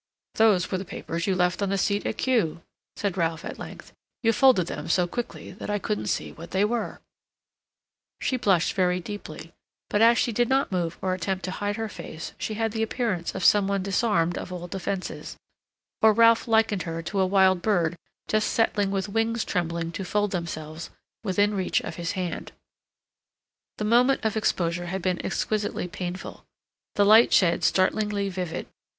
"Those were the papers you left on the seat at Kew," said Ralph at length. "You folded them so quickly that I couldn't see what they were." She blushed very deeply; but as she did not move or attempt to hide her face she had the appearance of some one disarmed of all defences, or Ralph likened her to a wild bird just settling with wings trembling to fold themselves within reach of his hand. The moment of exposure had been exquisitely painful—the light shed startlingly vivid.